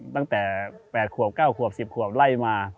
ตั้งแต่๘ขวบ๙ขวบ๑๐ขวบไล่มา